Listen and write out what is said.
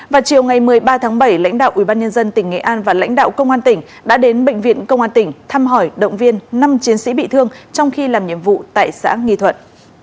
vào chiều ngày một mươi ba tháng bảy lãnh đạo ubnd tỉnh nghệ an và lãnh đạo công an tỉnh đã đến bệnh viện công an tỉnh thăm hỏi động viên năm chiến sĩ bị thương trong khi làm nhiệm vụ tại xã nghi thuận